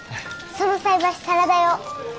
その菜箸サラダ用。